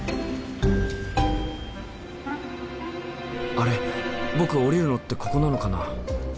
あれ僕降りるのってここなのかな？